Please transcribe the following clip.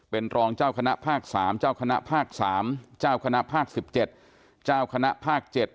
เป็นรองเจ้าคณะภาคสามเจ้าคณะภาคสามเจ้าคณะภาคสิบเจ็ดเจ้าคณะภาคเจ็ด